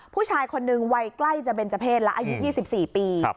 ผู้ชายคนนึงวัยใกล้จะเบนเจอร์เพศแล้วอายุ๒๔ปี